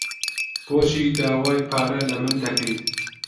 بۆچی داوای پارە لە من دەکەیت؟